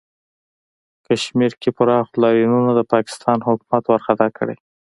کشمیر کې پراخو لاریونونو د پاکستانی حکومت ورخطا کړی